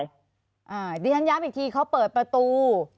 อ่าดิทันย้ำอีกทีเขาเปิดประตู